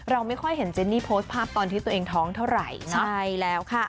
เราไม่ค่อยเห็นเจนนี่โพสต์ภาพตอนที่ตัวเองท้องเท่าไหร่นะใช่แล้วค่ะ